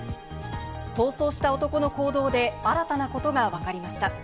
逃走した男の行動で新たなことがわかりました。